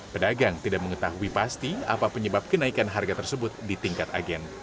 pedagang tidak mengetahui pasti apa penyebab kenaikan harga tersebut di tingkat agen